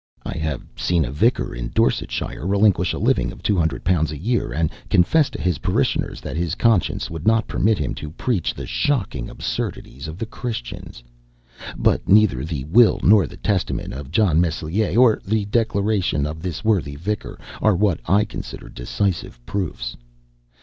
I have seen a Vicar in Dorsetshire relinquish a living of ┬Ż200 a year, and confess to his parishioners that his conscience would not permit him to preach the shocking absurdities of the Christians. But neither the will nor the testament of John Meslier, nor the declaration of this worthy Vicar, are what I consider decisive proofs.